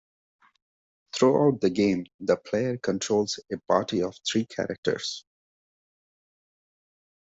Throughout the game, the player controls a party of three characters.